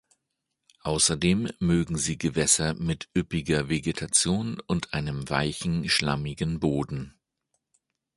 Außerdem mögen sie Gewässer mit üppiger Vegetation und einen weichen, schlammigen Boden.